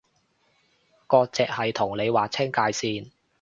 割蓆係同你劃清界線